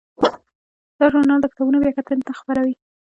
دا ژورنال د کتابونو بیاکتنې نه خپروي.